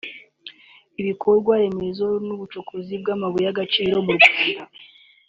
ibikorwa remezo n’ubucukuzi bw’amabuye y’agaciro mu Rwanda